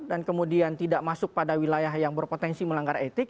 dan kemudian tidak masuk pada wilayah yang berpotensi melanggar etik